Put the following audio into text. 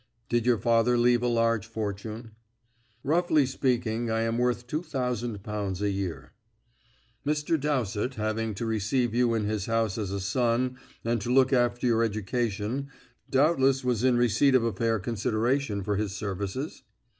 "Did your father leave a large fortune?" "Roughly speaking, I am worth two thousand pounds a year." "Mr. Dowsett, having to receive you in his house as a son and to look after your education, doubtless was in receipt of a fair consideration for his services?"